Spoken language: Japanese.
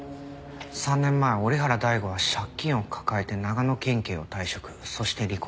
３年前折原大吾は借金を抱えて長野県警を退職そして離婚。